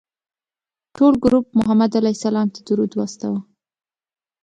ټول ګروپ محمد علیه السلام ته درود واستوه.